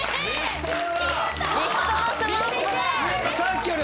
さっきより。